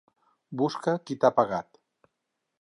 Busca qui t'ha pegat!